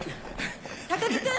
高木君！